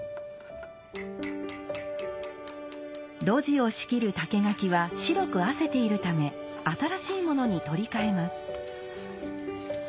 露地を仕切る竹垣は白くあせているため新しいものに取り替えます。